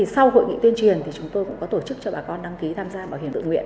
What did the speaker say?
sau hội nghị tuyên truyền chúng tôi cũng có tổ chức cho bà con đăng ký tham gia bảo hiểm xã hội tự nguyện